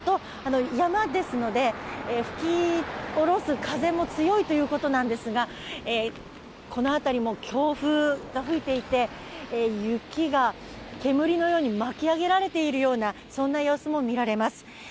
この辺りはもともと山ですので、吹き降ろす風も強いということなんですがこの辺りも強風が吹いていて、雪が煙のように巻き上げられているような様子も見られます。